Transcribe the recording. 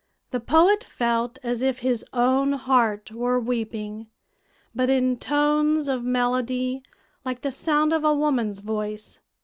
The poet felt as if his own heart were weeping, but in tones of melody like the sound of a woman's voice.